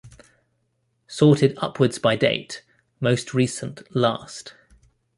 Sorted upwards by date, most recent last.